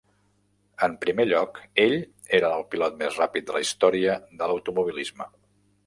En primer lloc, ell era el pilot més ràpid de la història de l'automobilisme.